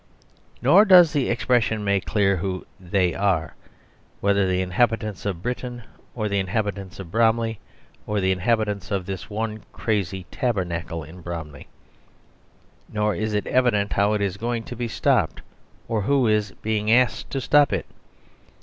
Nor does the expression make clear who "they" are whether the inhabitants of Britain or the inhabitants of Bromley, or the inhabitants of this one crazy tabernacle in Bromley; nor is it evident how it is going to be stopped or who is being asked to stop it.